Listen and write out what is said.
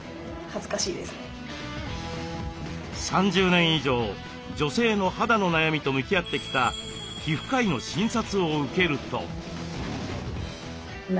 ３０年以上女性の肌の悩みと向き合ってきた皮膚科医の診察を受けると。